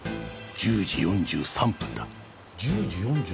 １０時４３分。